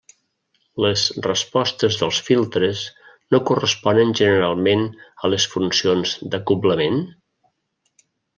Les respostes dels filtres no corresponen generalment a les funcions d'acoblament???